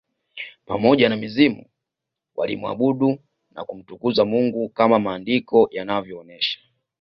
Pamoja na mizimu walimuabudu na kumtukuza Mungu kama maandiko yanavyoonesha